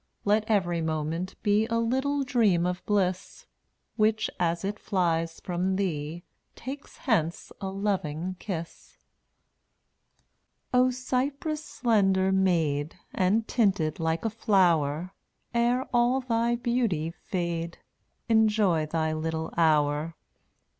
Let every moment be A little dream of bliss, Which, as it flies from thee, Takes hence a loving kiss. 228 O cyprus slender maid And tinted like a flower, Ere all thy beauty fade, Enjoy thy little hour.